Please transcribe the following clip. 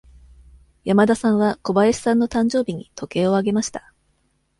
山田さんは小林さんの誕生日に時計をあげました。